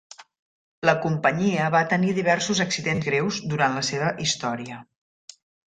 La companyia va tenir diversos accidents greus durant la seva història.